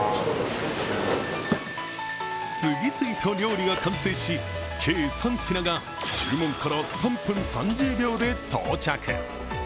次々と料理が完成し、計３品が注文から３分３０秒で到着。